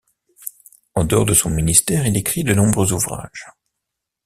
En dehors de son ministère, il écrit de nombreux ouvrages.